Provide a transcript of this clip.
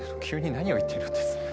急に何を言ってるんです？